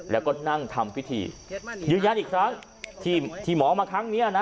แล้วก็นั่งทำพิธียืนยันอีกครั้งที่หมอมาครั้งนี้นะ